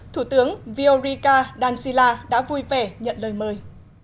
thủ tướng viorica dancila đã vui vẻ nhận lời mời